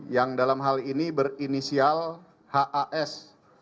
yang dalam hal ini berinisial has